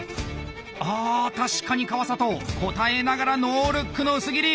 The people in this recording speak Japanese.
あ確かに川里答えながらノールックの薄切り！